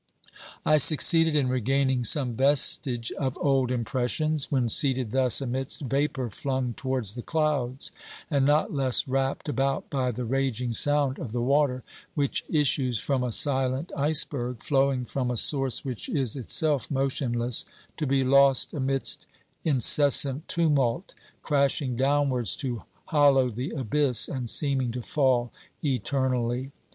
I succeeded in regaining some vestige of old impressions, when seated thus amidst vapour flung towards the clouds, and not less wrapped about by the raging sound of the water, which issues from a silent iceberg, flowing from OBERMANN 353 a source which is itself motionless, to be lost amidst in cessant tumult, crashing downwards to hollow the abyss, and seeming to fall eternally.